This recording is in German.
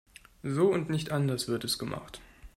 So und nicht anders wird es gemacht.